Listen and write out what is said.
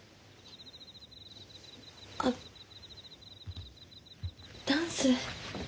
あダンス。